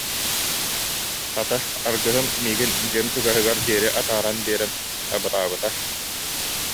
Хата, аргыһым миигин дьиэм чугаһыгар диэри атааран биэрэн абыраабыта